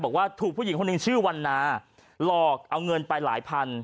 บอกว่าถูกผู้หญิงคนหนึ่งชื่อวันนาหลอกเอาเงินไปหลายพัน